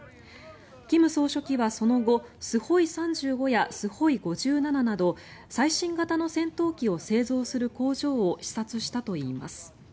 金総書記はその後Ｓｕ−３５やＳｕ−５７など最新型の戦闘機を製造する工場を視察したといいます。